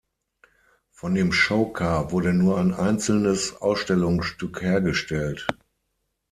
Von dem Showcar wurde nur ein einzelnes Ausstellungsstück hergestellt.